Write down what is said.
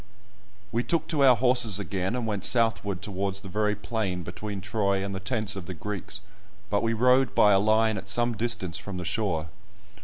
We took to our horses again, and went southward towards the very plain between Troy and the tents of the Greeks, but we rode by a line at some distance from the shore.